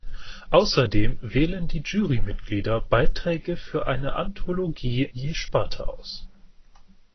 Außerdem wählen die Jurymitglieder Beiträge für eine Anthologie je Sparte aus.